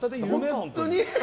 本当に。